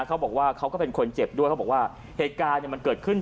เขาบอกว่าเขาก็เป็นคนเจ็บด้วยเขาบอกว่าเหตุการณ์มันเกิดขึ้น